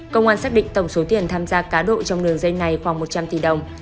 công an xác định tổng số tiền tham gia cá độ trong đường dây này khoảng một trăm linh tỷ đồng